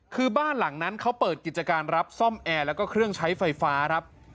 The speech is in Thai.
คือบ้านหลังนั้นเขาเปิดกิจการรับซ่อมแอร์แล้วก็เครื่องใช้ไฟฟ้าครับ